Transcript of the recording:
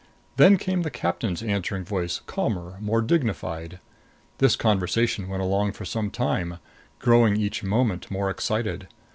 Then came the captain's answering voice, calmer, more dignified. This conversation went along for some time, growing each moment more excited.